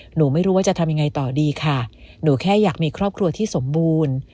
หนูไม่รู้ว่าจะทำยังไงต่อดีค่ะหนูแค่อยากมีครอบครัวที่สมบูรณ์